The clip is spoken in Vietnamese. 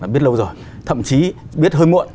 biết lâu rồi thậm chí biết hơi muộn